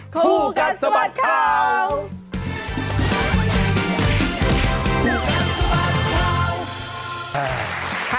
ครูกันสวัสดิ์ข้าว